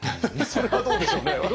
それはどうでしょうね。